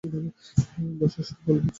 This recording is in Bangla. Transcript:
বসে সব বলবি চল।